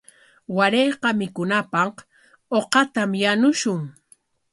Warayqa mikunapaq uqatam yanushun.